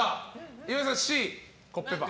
岩井さん、Ｃ、コッペパン。